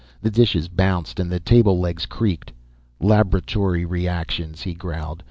The dishes bounced and the table legs creaked. "Laboratory reactions!" he growled.